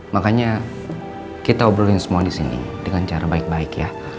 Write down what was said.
makanya kita obrolin semua di sini dengan cara baik baik ya